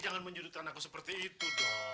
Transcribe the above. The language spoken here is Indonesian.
jangan menjudutkan aku seperti itu dong